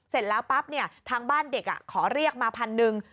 เสร็จแล้วปั๊บทางบ้านเด็กขอเรียกมาพันหนึ่ง